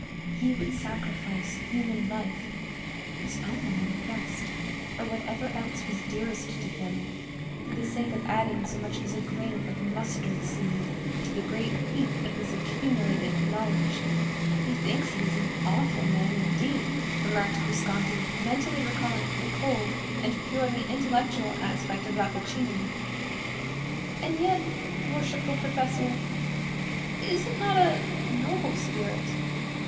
He would sacrifice human life, his own among the rest, or whatever else was dearest to him, for the sake of adding so much as a grain of mustard seed to the great heap of his accumulated knowledge." "Methinks he is an awful man indeed," remarked Guasconti, mentally recalling the cold and purely intellectual aspect of Rappaccini. "And yet, worshipful professor, is it not a noble spirit?